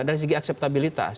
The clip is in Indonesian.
dari segi akseptabilitas